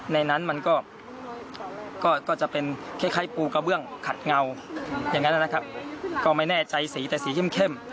ในนั้นมันก็จะเป็นคล้ายปูกระเบื้องขัดเงาอย่างนั้นนะครับก็ไม่แน่ใจสีแต่สีเข้ม